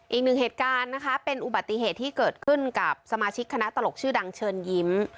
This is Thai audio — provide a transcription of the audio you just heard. อีกหนึ่งเหตุการณ์นะคะเป็นอุบัติเหตุที่เกิดขึ้นกับสมาชิกคณะตลกชื่อดังเชิญยิ้ม